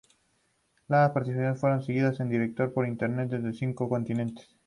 Las partidas fueron seguidas en directo, por Internet, desde los cinco continentes.